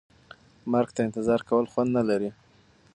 مرګ ته انتظار کول خوند نه لري.